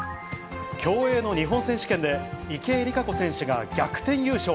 競泳の日本選手権で、池江璃花子選手が逆転優勝。